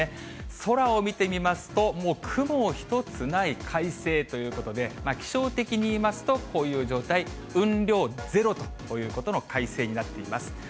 空を見てみますと、もう、雲一つない快晴ということで、気象的にいいますとこういう状態、雲量ゼロということの快晴になっています。